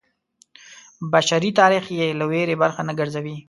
بشري تاریخ یې له ویرې برخه نه ګرځوي.